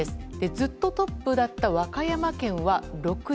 ずっとトップだった和歌山県は６位。